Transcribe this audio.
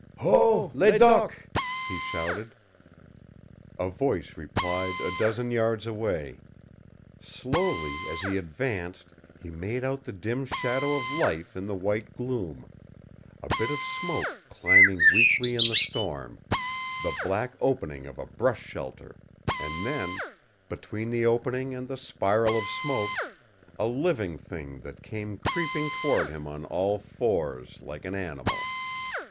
"Ho, Ledoq!" he shouted. A voice replied a dozen yards away. Slowly, as he advanced, he made out the dim shadow of life in the white gloom a bit of smoke climbing weakly in the storm, the black opening of a brush shelter and then, between the opening and the spiral of smoke, a living thing that came creeping toward him on all fours, like an animal.